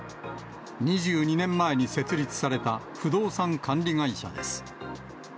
２２年前に設立された不動産管理会社です。